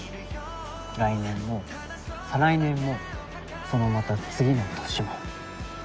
来年も再来年もそのまた次の年も。